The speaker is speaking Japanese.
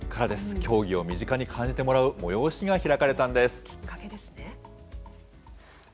競技を身近に感じてもらう催しがきっかけですね。